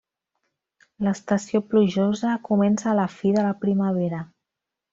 L'estació plujosa comença a la fi de la primavera.